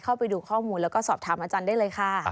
เข้าไปดูข้อมูลแล้วก็สอบถามอาจารย์ได้เลยค่ะ